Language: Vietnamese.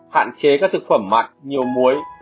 hạn chế các thực phẩm mặn nhiều muối